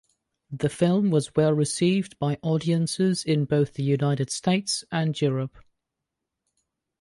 The film was well received by audiences in both the United States and Europe.